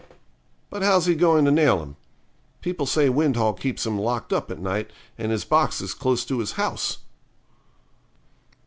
'But how's he going to nail him? People say Windhall keeps him locked up at night, and his box is close to his house.'